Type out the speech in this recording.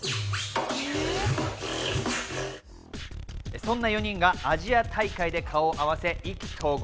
そんな４人がアジア大会で顔を合わせ、意気投合。